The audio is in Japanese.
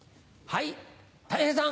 はい。